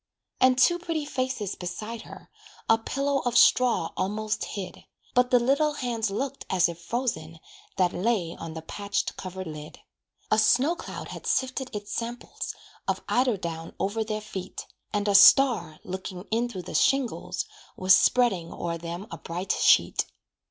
And two pretty faces beside her, A pillow of straw almost hid, But the little hands looked as if frozen That lay on the patched cover lid. A snow cloud had sifted its samples, Of eider down over their feet, And a star, looking in through the shingles, Was spreading o'er them a bright sheet.